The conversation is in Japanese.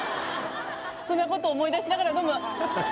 そんなことを思い出しながら飲む。